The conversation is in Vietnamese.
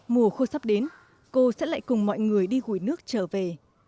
mùa khô sắp đến cô sẽ lại cùng mọi người đi hùi nước trở về